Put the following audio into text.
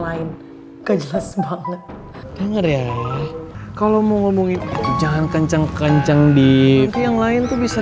lain gak jelas banget kalau mau ngomongin jangan kenceng kenceng di yang lain tuh bisa